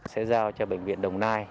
sẽ giao cho bệnh viện đồng nai